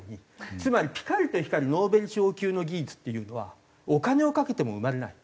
つまりピカリと光るノーベル賞級の技術っていうのはお金をかけても生まれない。